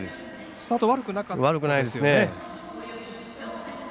スタート悪くないですね。